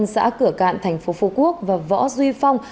xã cửa cạn tp phú quốc và võ duy phong